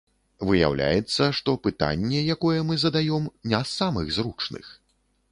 Выяўляецца, што пытанне, якое мы задаём, не з самых зручных.